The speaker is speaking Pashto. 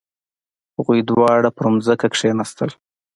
هغوی دواړه په ځمکه کښیناستل.